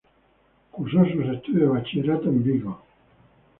Cursó sus estudios de bachillerato en Vigo.